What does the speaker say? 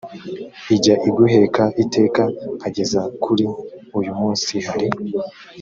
ijya iguheka iteka nkageza kuri uyu munsi hari